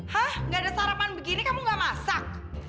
hah nggak ada sarapan begini kamu gak masak